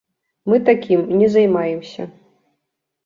Мы такім не займаемся.